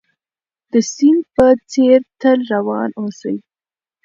د سيند په څېر تل روان اوسئ.